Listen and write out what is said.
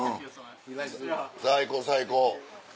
最高最高。